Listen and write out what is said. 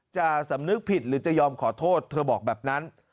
จะสำนึกผิดหรือจะยอมขอโทษเธอบอกแบบนั้น